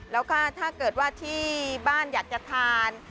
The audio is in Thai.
แล้วก็ถ้าเกิดว่าที่บ้านอยากจะทาน